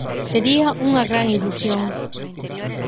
Sería unha gran ilusión.